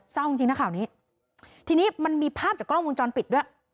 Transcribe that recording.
เศร้าจริงจริงนะข่าวนี้ทีนี้มันมีภาพจากกล้องวงจรปิดด้วย